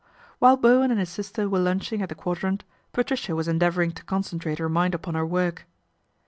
While Bowen and his sister were lunching at the Quadrant, Patricia was endeavouring to con centrate her mind upon her work.